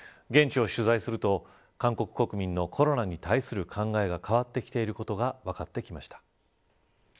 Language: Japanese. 現地を取材すると韓国国民のコロナに対する考えが変わってきていることが分かってきました。